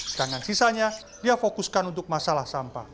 sedangkan sisanya dia fokuskan untuk masalah sampah